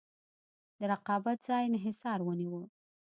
د رقابت ځای انحصار ونیوه.